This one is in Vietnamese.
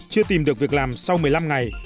chưa tìm được việc làm sau một mươi năm ngày